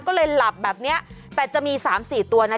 ก็เลยหลับแบบนี้แต่จะมี๓๔ตัวนะ